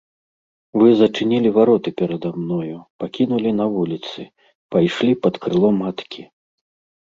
Вы зачынілі вароты перада мною, пакінулі на вуліцы, пайшлі пад крыло маткі.